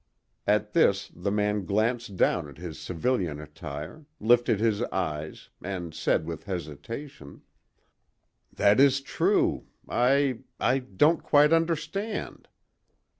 At this the man glanced down at his civilian attire, lifted his eyes, and said with hesitation: "That is true. I—I don't quite understand."